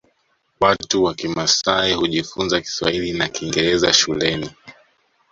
Watu wa kimasai hujifunza kiswahili na kingeraza shuleni